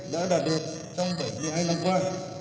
đã đạt được trong bảy mươi hai năm qua